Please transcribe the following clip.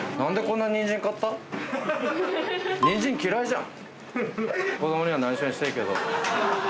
ニンジン嫌いじゃん？